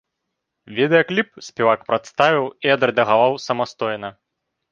Відэакліп спевак прадставіў і адрэдагаваў самастойна.